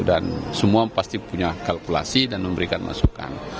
dan semua pasti punya kalkulasi dan memberikan masukan